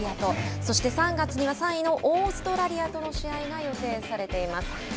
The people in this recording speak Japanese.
そして３月には３位のオーストラリアとの試合が予定されています。